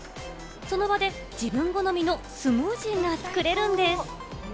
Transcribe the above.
その場で自分好みのスムージーが作れるんです。